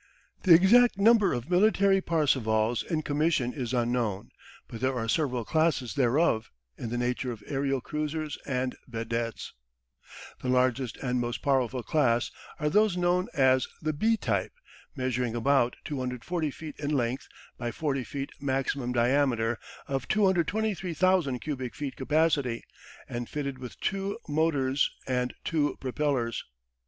The exact number of military Parsevals in commission is unknown, but there are several classes thereof, in the nature of aerial cruisers and vedettes. The largest and most powerful class are those known as the B type, measuring about 240 feet in length by 40 feet maximum diameter, of 223,000 cubic feet capacity, and fitted with two motorsand two propellers.